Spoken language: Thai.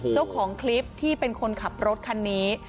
เจ้าของคลิปที่เป็นคนขับรถคันนี้